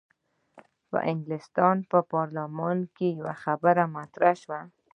په انګلستان په پارلمان کې یوه خبره طرح شوه.